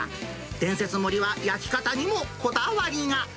伝説盛りは、焼き方にもこだわりが。